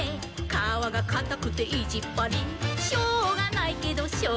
「かわがかたくていじっぱり」「しょうがないけどショウガある」